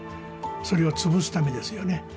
それを潰すためですよね。